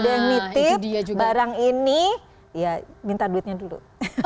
ada yang nitip barang ini ya minta duitnya dulu